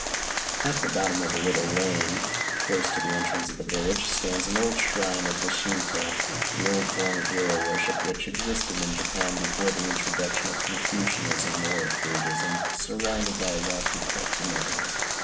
At the bottom of a little lane, close to the entrance of the village, stands an old shrine of the Shintô (the form of hero worship which existed in Japan before the introduction of Confucianism or of Buddhism), surrounded by lofty Cryptomerias.